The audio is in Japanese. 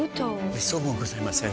めっそうもございません。